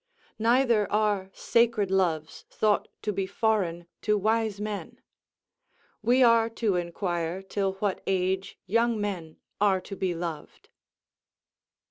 Neither are sacred loves thought to be foreign to wise men;... we are to inquire till what age young men are to be loved."